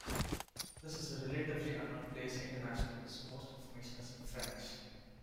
This is a relatively unknown place internationally, so most information is in French.